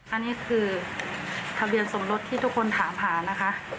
อันนี้คือทะเบียนสมรสที่ทุกคนถามหานะคะ